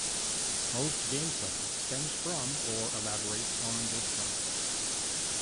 Most gameplay stems from, or elaborates on, this concept.